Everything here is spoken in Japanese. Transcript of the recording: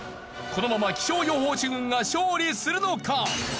このまま気象予報士軍が勝利するのか？